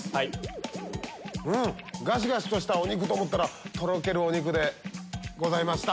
うんガシガシしたお肉と思ったらとろけるお肉でございました。